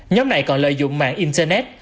nhóm này còn lợi dụng mạng internet